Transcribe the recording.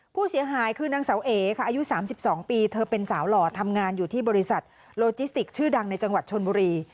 ผู้เสียหายคือนางเสาเอค่ะอายุ๓๒ปีเธอเป็นสาวหล่อทำงานอยู่ที่บริษัทโลจิสติกชื่อดังในจังหวัดชนบุรี